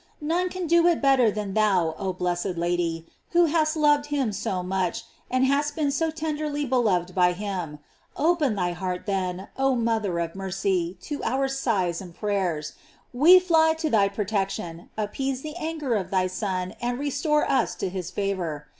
None can do it better than thou, oh blessed Lady, who hast loved him so much, and hast been so tenderly beloved by him. Open thy heart, then, oh mother of mercy, to our sighs and prayers. We fly to thy protec tion; appease the anger of thy Son, and restore us to his favor.